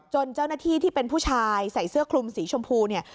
เจ้าหน้าที่ที่เป็นผู้ชายใส่เสื้อคลุมสีชมพูเนี่ย